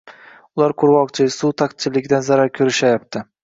Ular qurgʻoqchilik, suv taqchilligidan zarar koʻrishayapti.